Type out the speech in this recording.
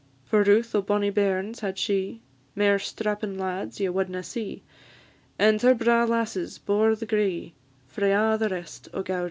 For routh o' bonnie bairns had she; Mair strappin' lads ye wadna see; And her braw lasses bore the gree Frae a' the rest o' Gowrie.